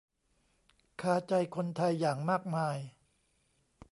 คาใจคนไทยอย่างมากมาย